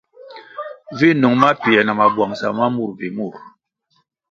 Vi nung mapiē na mabwangʼsa ma mur mbpi murʼ.